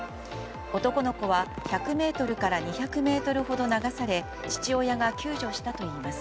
男の子は１００ｍから２００ｍほど流され父親が救助したといいます。